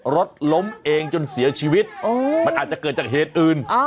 รถล้มเองจนเสียชีวิตมันอาจจะเกิดจากเหตุอื่น